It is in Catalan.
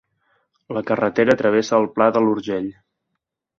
La carretera travessa el Pla de l'Urgell.